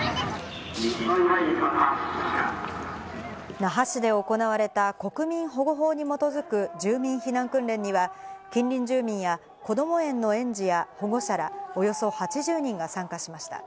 那覇市で行われた、国民保護法に基づく住民避難訓練には、近隣住民やこども園の園児や保護者らおよそ８０人が参加しました。